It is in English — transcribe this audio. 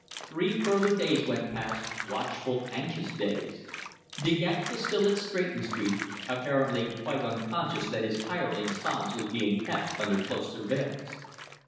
Three further days went past, watchful, anxious days. De Gex was still at Stretton Street, apparently quite unconscious that his hireling Sanz was being kept under close surveillance.